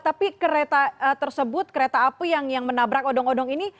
tapi kereta tersebut kereta api yang menabrak odong odong ini